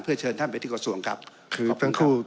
เพื่อเชิญท่านไปที่กระทรวงครับขอบคุณครับคือท่านคู่